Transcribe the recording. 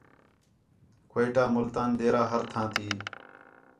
کوئٹہ، ملتان، ڈیرہ ہر تھاں تی